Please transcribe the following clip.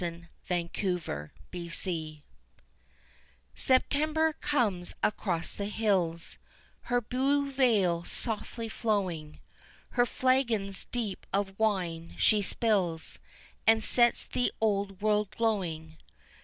] September September comes across the hills Her blue veil softly flowing, Her flagons deep of wine she spills, And sets the old world glowing.